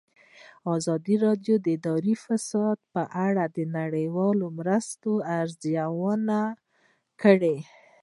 ازادي راډیو د اداري فساد په اړه د نړیوالو مرستو ارزونه کړې.